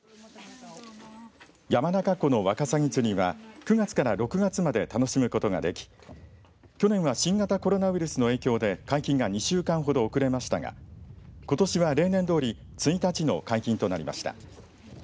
山中湖のわかさぎ釣りは９月から６月まで楽しむことができ去年は新型コロナウイルスの影響で、解禁が２週間ほど遅れましたがことしは例年どおり１日の解禁となりました。